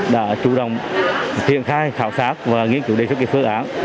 đã chủ động thiện khai khảo sát và nghiên cứu đề xuất kịp phương án